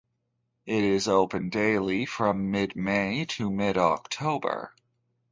It is open daily from mid-May to mid-October.